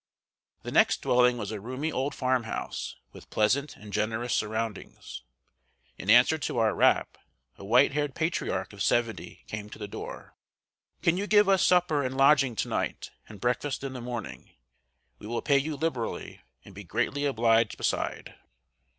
The next dwelling was a roomy old farm house, with pleasant and generous surroundings. In answer to our rap, a white haired patriarch of seventy came to the door. "Can you give us supper and lodging to night, and breakfast in the morning? We will pay you liberally, and be greatly obliged beside."